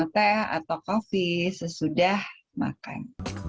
teh atau kopi sesudah makan